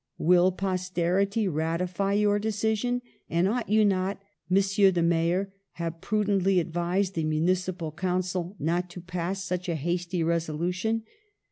"Will posterity ratify your decision, and ought you not, Monsieur the Mayor, have pru dently advised the municipal council not to pass such a hasty resolution?